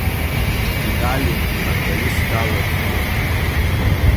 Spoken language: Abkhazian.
Витали хантәаҩыс далырхуеит…